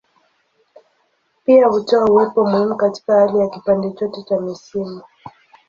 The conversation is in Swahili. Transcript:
Pia hutoa uwepo muhimu katika hali ya kipande chote cha misimu.